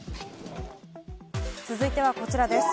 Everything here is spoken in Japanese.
続いてはこちらです。